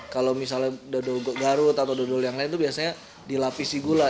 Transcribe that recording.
kalau misalnya dodol garut atau dodol yang lain itu biasanya dilapisi gula